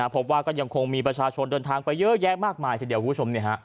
พบว่าก็ยังคงมีประชาชนเดินทางไปเยอะแยะมากมายทีเดียวคุณผู้ชม